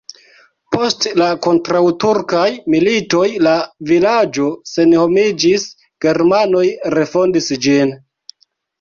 Post la kontraŭturkaj militoj la vilaĝo senhomiĝis, germanoj refondis ĝin.